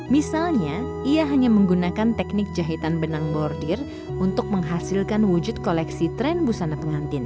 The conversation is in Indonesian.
misalnya ia hanya menggunakan teknik jahitan benang bordir untuk menghasilkan wujud koleksi tren busana pengantin